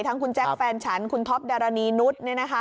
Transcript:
ทั้งคุณแจ๊คแฟนฉันคุณท็อปดารณีนุษย์